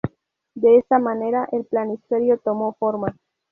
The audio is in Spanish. De esta manera, el planisferio tomó forma.